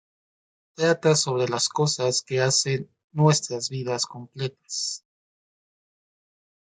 Trata sobre las cosas que hacen nuestras vidas completas.